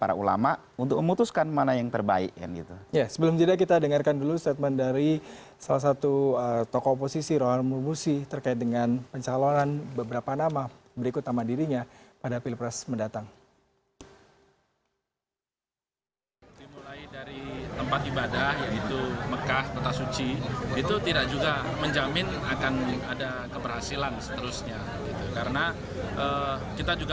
dan saya tidak berharap ini berkembang menjadi baru larut